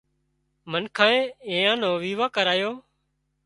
منکانئي ايئان نو ويوا ڪرايو